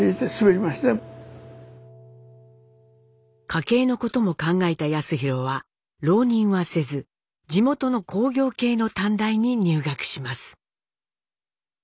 家計のことも考えた康宏は浪人はせず地元の工業系の短大に入学します。